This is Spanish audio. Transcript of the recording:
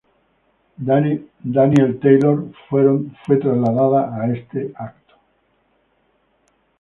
Danielle Taylor fueron trasladadas a este evento.